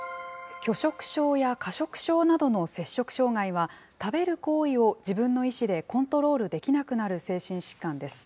拒食症や過食症などの摂食障害は、食べる行為を自分の意思でコントロールできなくなる精神疾患です。